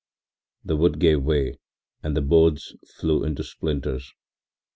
The wood gave way and the boards flew into splinters.